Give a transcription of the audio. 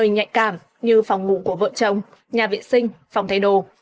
như phòng ngủ của vợ chồng nhà viện sinh phòng thay đồ